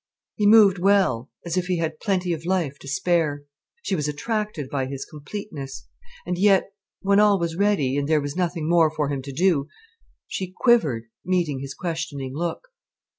He moved well, as if he had plenty of life to spare. She was attracted by his completeness. And yet, when all was ready, and there was nothing more for him to do, she quivered, meeting his questioning look.